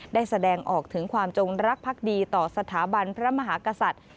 ได้แสดงออกถึงความจงรักภักดีต่อสถาบันพระมหากษัตริย์